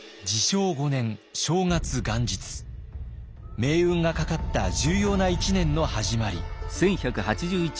命運がかかった重要な一年の始まり。